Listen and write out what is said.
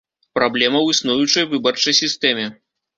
Праблема ў існуючай выбарчай сістэме.